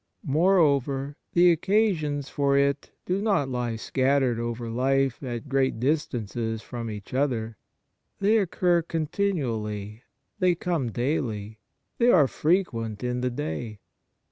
Moreover, the occasions for it do not lie scattered over life at great distances from each other. They occur continually ; they come daily ; they are frequent in the' day.